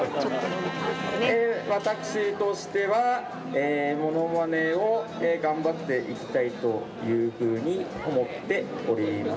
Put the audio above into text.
私としてはえモノマネを頑張っていきたいというふうに思っております。